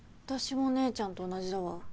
私も姉ちゃんと同じだわ。